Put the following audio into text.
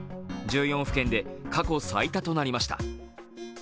１４府県で過去最多となりました。